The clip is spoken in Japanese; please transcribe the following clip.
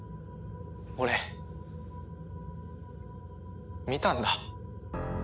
俺見たんだ。